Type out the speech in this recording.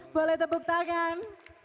boleh tepuk tangan